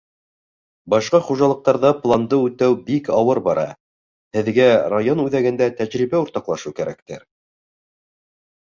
Башҡа хужалыҡтарҙа планды үтәү бик ауыр бара. һеҙгә район үҙәгендә тәжрибә уртаҡлашыу кәрәктер?